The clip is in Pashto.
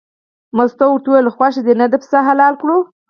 مستو ورته وویل خوښه دې نه ده پسه حلال کړو.